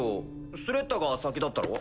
スレッタが先だったろ？